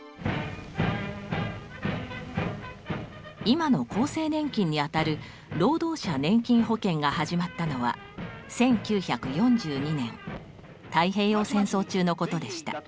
今の厚生年金にあたる労働者年金保険が始まったのは１９４２年太平洋戦争中のことでした。